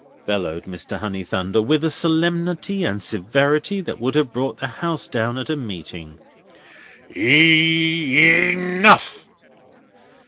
bellowed Mr. Honeythunder, with a solemnity and severity that would have brought the house down at a meeting, "E e nough!